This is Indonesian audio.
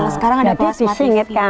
sekarang ada di singit kan